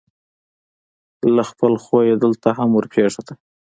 له خپل خویه دلته هم ورپېښه ده.